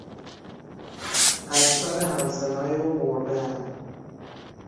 اکثر همسنهای او مردهاند.